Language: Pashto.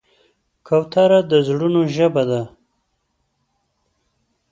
کوتره د زړونو ژبه ده.